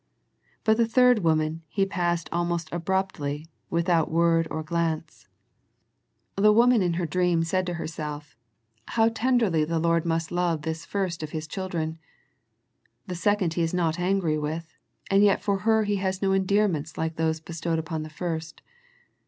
But the third woman He passed al most abruptly without word or glance. The 66 A First Century Message woman in her dream said to herself, How tenderly the Lord must love this first of His children. The second He is not angry with, and yet for her has no endearments like those bestowed upon the first.